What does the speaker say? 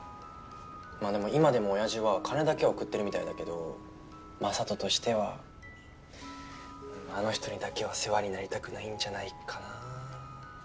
まぁ今でも親父は金だけは送ってるみたいだけど雅人としてはあの人にだけは世話になりたくないんじゃないかなぁ。